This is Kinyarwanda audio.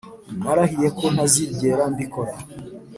narahiye ko ntazigera mbikora.